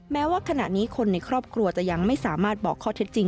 แม้ว่าขณะนี้คนในครอบครัวจะยังไม่สามารถบอกข้อเท็จจริง